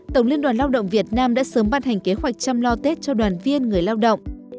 tổng liên đoàn lao động việt nam đã sớm ban hành kế hoạch chăm lo tết cho đoàn viên người lao động